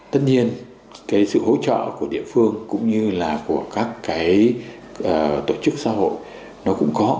tất nhiên cái sự hỗ trợ của địa phương cũng như là của các cái tổ chức xã hội nó cũng có